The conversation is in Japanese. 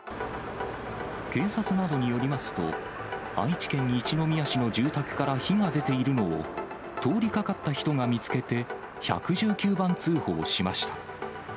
警察などによりますと、愛知県一宮市の住宅から火が出ているのを、通りかかった人が見つけて、１１９番通報しました。